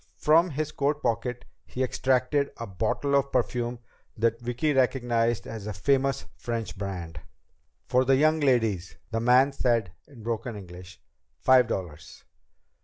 From his coat pocket he extracted a bottle of perfume that Vicki recognized as a famous French brand. "For the young ladies," the man said in broken English. "Five dollars."